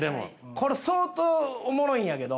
これ相当おもろいんやけど。